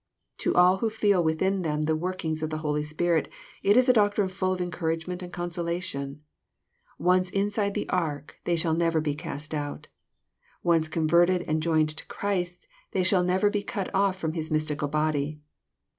To all who feel within them the workings of the Holy Spirit, it is a doctrine full of encour agement and consolation. Once inside the ark, they shall never be cast out. Once converted and joined to Christ, they shall never be cut off from His mystical body.